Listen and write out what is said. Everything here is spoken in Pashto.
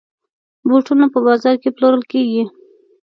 بوټونه په بازاز کې پلورل کېږي.